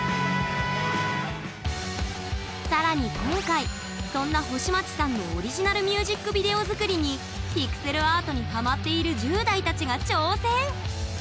更に今回そんな星街さんのオリジナルミュージックビデオ作りにピクセルアートにハマっている１０代たちが挑戦！